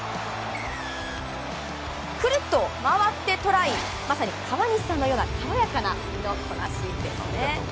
ぐるっと回ってトライ、まさに川西さんのような、軽やかな身のこなしですね。